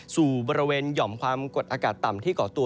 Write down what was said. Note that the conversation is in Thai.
สู่บริเวณหย่อมความกดอากาศต่ำที่ก่อตัว